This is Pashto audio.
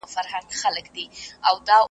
تفریح د ذهن فشار کموي.